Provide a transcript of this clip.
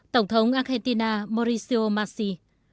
tổng thống argentina mauricio messi